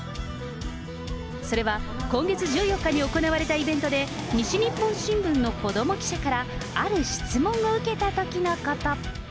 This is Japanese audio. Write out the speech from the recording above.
それは今月１４日に行われたイベントで、西日本新聞のこども記者から、ある質問を受けたときのこと。